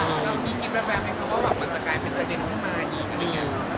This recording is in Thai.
คือมีคลิปแบบให้เขาบอกมันจะกลายเป็นเจอร์เดนขึ้นมาอีกหรือยัง